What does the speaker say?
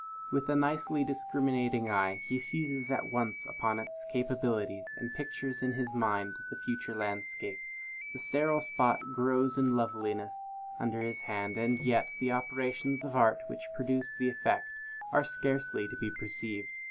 With a nicely discriminating eye, he seizes at once upon its capabilities, and pictures in his mind the future landscape. The sterile spot grows into loveliness under his hand; and yet the operations of art which produce the effect are scarcely to be perceived.